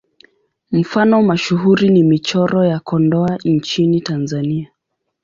Mfano mashuhuri ni Michoro ya Kondoa nchini Tanzania.